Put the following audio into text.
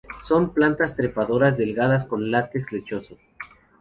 Son plantas trepadoras delgadas con látex lechoso.